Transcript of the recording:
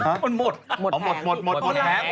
ไม่มีใครค่ะหมดหมดแผงค่ะเหรอ